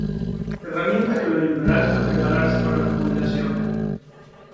Herramientas que lo ayudarán a prepararse para la jubilación